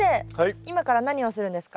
今から何をするんですか？